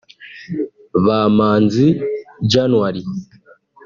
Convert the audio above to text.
Bamanzi January